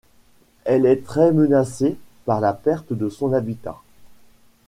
Elle est très menacée par la perte de son habitat.